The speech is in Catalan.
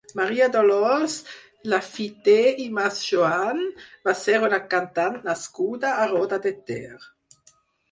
Maria Dolors Laffitte i Masjoan va ser una cantant nascuda a Roda de Ter.